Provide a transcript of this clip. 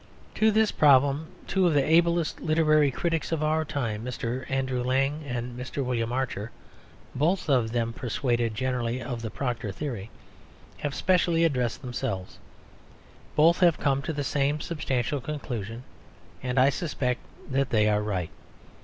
To this problem two of the ablest literary critics of our time, Mr. Andrew Lang and Mr. William Archer (both of them persuaded generally of the Proctor theory) have especially addressed themselves. Both have come to the same substantial conclusion; and I suspect that they are right.